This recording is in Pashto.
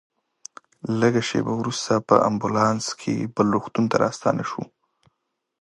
لږ شېبه وروسته په امبولانس کې وه بل روغتون ته راستانه شوو.